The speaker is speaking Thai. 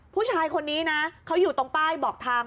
ผู้ชายคนนี้นะเขาอยู่ตรงป้ายบอกทาง